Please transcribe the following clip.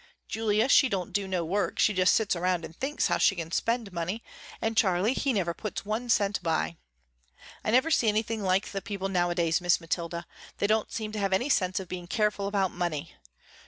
Julia she don't do no work, she just sits around and thinks how she can spend the money, and Charley he never puts one cent by. I never see anything like the people nowadays Miss Mathilda, they don't seem to have any sense of being careful about money.